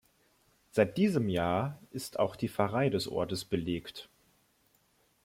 Seit diesem Jahr ist auch die Pfarrei des Ortes belegt.